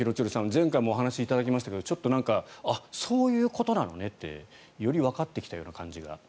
前回もお話しいただきましたがそういうことなのねってよりわかってきたような感じが。